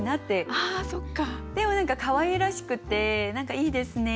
でも何かかわいらしくていいですね。